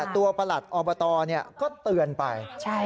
ประหลัดอบตก็เตือนไป